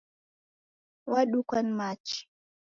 Wadukwa ni machi